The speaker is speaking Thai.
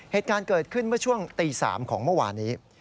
เหตุการณ์เกิดขึ้นเมื่อช่วงตี๓ของเมื่อวานนี้